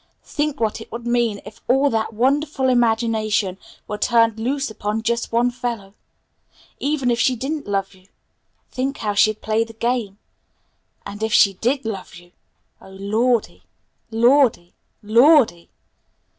"Think what it would mean if all that wonderful imagination were turned loose upon just one fellow! Even if she didn't love you, think how she'd play the game! And if she did love you Oh, lordy; Lordy! LORDY!"